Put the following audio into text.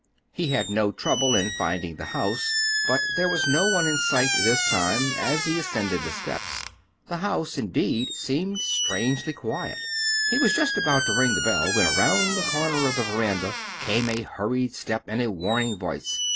He had no trouble in finding the house, but there was no one in sight this time, as he ascended the steps. The house, indeed, seemed strangely quiet. He was just about to ring the bell when around the corner of the veranda came a hurried step and a warning voice.